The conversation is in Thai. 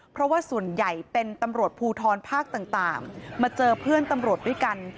เพราะว่าส่วนใหญ่เป็นตำรวจภูทรภาคต่างมาเจอเพื่อนตำรวจด้วยกัน